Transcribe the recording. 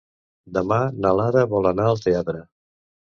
Demà na Lara vol anar al teatre.